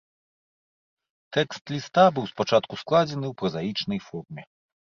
Тэкст ліста быў спачатку складзены ў празаічнай форме.